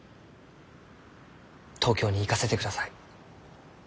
東京に行かせてください。